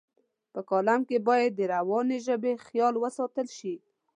په کالم کې باید د روانې ژبې خیال وساتل شي.